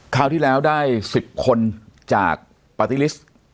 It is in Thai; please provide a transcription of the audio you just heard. คราวที่แล้วได้๑๐คนจากปาร์ตี้ลิสต์